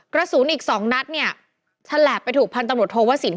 กระสุนอีก๒นัดเนี่ยถลับไปถูกพันตำรวจโทวศิลป์